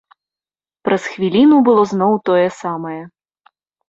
Праз хвіліну было зноў тое самае.